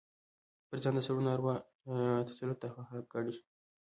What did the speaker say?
پر ځان د سړي ناروا تسلط د هغه حق ګڼي.